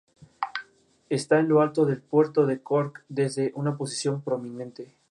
Se usa leche de vaca que deberá estar pasteurizada.